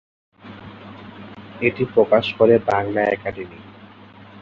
এটি প্রকাশ করে বাংলা একাডেমি।